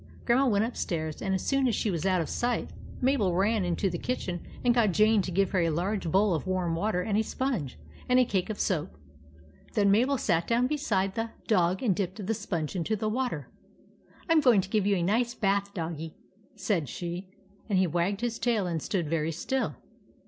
Grandma went upstairs ; and as soon as she was out of sight, Mabel ran into the kitchen and got Jane to give her a large bowl of warm water and a sponge, and a cake of soap. Then Mabel sat down beside the dog and dipped the sponge into the water. " I 'm going to give you a nice bath, doggie," said she ; and he wagged his tail and stood very still.